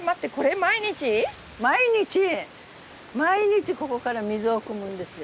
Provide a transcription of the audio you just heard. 毎日ここから水をくむんですよ。